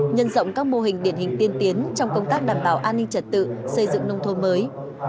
nhân rộng các mô hình điển hình tiên tiến trong công tác đảm bảo an ninh trật tự xây dựng nông thôn mới